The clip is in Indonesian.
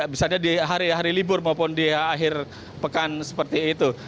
misalnya di hari hari libur maupun di akhir pekan seperti itu